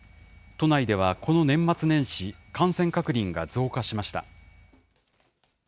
都内ではこの年末年始、感染確認が増加しました。